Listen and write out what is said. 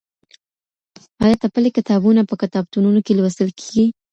آيا تپلي کتابونه په کتابتونونو کي لوستل کېږي؟